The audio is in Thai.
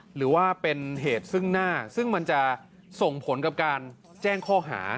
หรือว่าเป็นเหตุซึ่งหน้าซึ่งมันจะส่งผลกับการแจ้งข้อหา